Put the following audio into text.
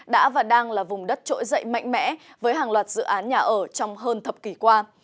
đã và đang là vùng đất trỗi dậy mạnh mẽ với hàng loạt dự án nhà ở trong hơn thập kỷ qua